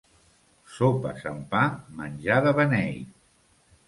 Sopes amb pa, menjar de beneit.